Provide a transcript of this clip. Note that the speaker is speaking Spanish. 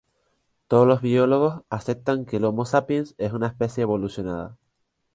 Todos los biólogos aceptan que el Homo sapiens es una especie evolucionada.